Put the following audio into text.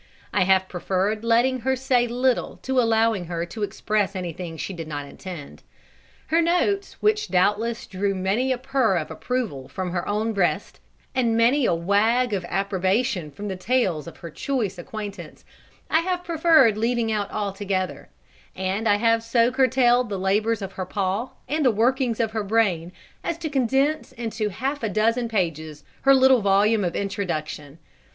I have preferred letting her say little to allowing her to express anything she did not intend. Her notes, which, doubtless, drew many a purr of approval from her own breast, and many a wag of approbation from the tails of her choice acquaintance, I have preferred leaving out altogether; and I have so curtailed the labours of her paw, and the workings of her brain, as to condense into half a dozen pages her little volume of introduction.